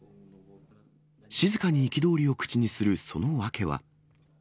静に憤りを口にするその訳は。